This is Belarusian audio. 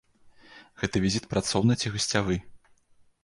Гэты візіт працоўны ці гасцявы?